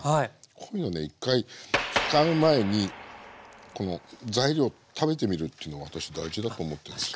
こういうのね１回使う前にこの材料食べてみるっていうの私大事だと思ってんですよ。